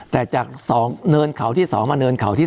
แต่จาก๒เนินเขาที่๒มาเนินเขาที่๒